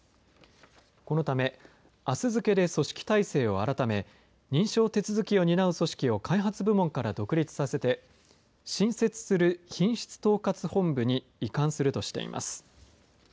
このためあす付けで組織体制を改め認証手続きを担う組織を開発部門から独立させて新設する品質統括本部に移管するとしています。